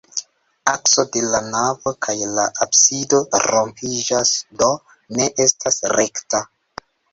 Akso de la navo kaj la absido rompiĝas, do ne estas rekta.